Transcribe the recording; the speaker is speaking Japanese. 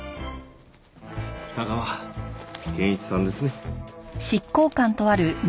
二川研一さんですね。